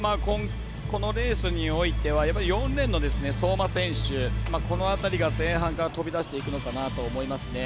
このレースにおいては４レーンの相馬選手この辺りが前半から飛び出していくのかなと思います。